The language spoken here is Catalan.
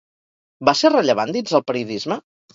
Va ser rellevant dins el periodisme?